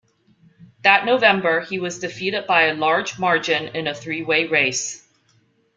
That November, he was defeated by a large margin in a three-way race.